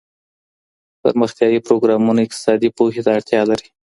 پرمختیايي پروګرامونه اقتصادي پوهي ته اړتیا لري.